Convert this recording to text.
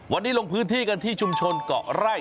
วันนี้ลงพื้นที่กันที่ชมชนกรแร่กะไล่